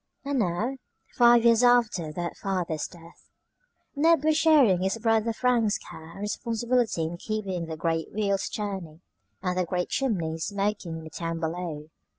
And now, five years after that father's death, Ned was sharing his brother Frank's care and responsibility in keeping the great wheels turning and the great chimneys smoking in the town below.